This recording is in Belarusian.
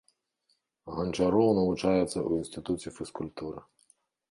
Ганчароў навучаецца ў інстытуце фізкультуры.